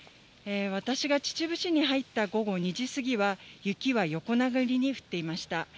私が秩父市に入った午後２時過ぎは、雪は横殴りに降っていました。